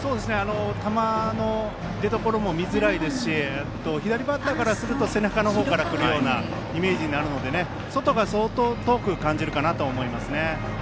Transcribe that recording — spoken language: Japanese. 球の出どころも見づらいですし左バッターからすると背中の方から来るようなイメージになるので外が相当遠く感じるかなと思います。